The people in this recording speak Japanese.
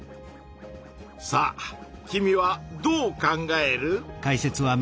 さあ君はどう考える？